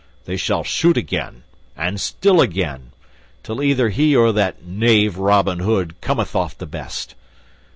They shall shoot again, and still again, till either he or that knave Robin Hood cometh off the best.